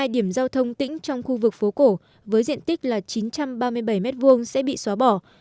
một mươi hai điểm giao thông tĩnh trong khu vực phố cổ với diện tích là chín trăm ba mươi bảy m hai sẽ bị xóa bỏ